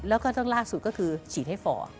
แล้วก็ต้องล่าสุดก็คือฉีดให้ฟอร์